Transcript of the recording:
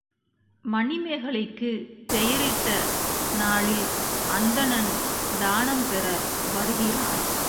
மணிமேகலைக்குப் பெயரிட்ட நாளில் அந்தணன் தானம் பெற வருகிறான்.